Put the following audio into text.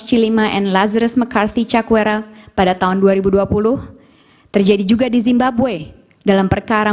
cilima en lazres mccarsy cakwera pada tahun dua ribu dua puluh terjadi juga di zimbabway dalam perkara